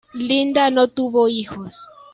Linda no tuvo hijos.